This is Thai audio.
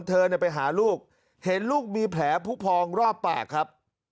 เธอไปหาลูกเห็นลูกมีแผลผู้พองรอบปากครับ